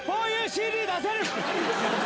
ＣＤ出せる。